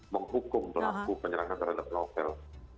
menghukum pelaku penyelamat daripada novel